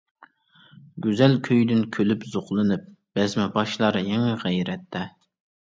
گۈزەل كۈيدىن كۈلۈپ زوقلىنىپ، بەزمە باشلار يېڭى غەيرەتتە.